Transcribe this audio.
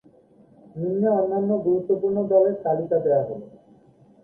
নিম্নে অন্যান্য গুরুত্বপূর্ণ দলের তালিকা দেওয়া হল।